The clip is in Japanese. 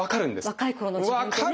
若い頃の自分とね。